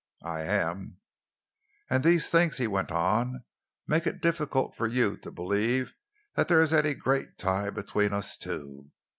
"I am." "And these things," he went on, "make it difficult for you to believe that there is any great tie between us two.